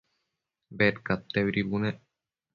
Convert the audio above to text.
Bedcadteuidi bunec